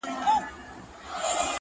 توري جامې ګه دي راوړي دي، نو وایې غونده.